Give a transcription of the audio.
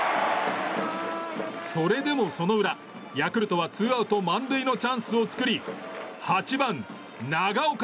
それでも、その裏、ヤクルトはツーアウト満塁のチャンスを作り８番、長岡。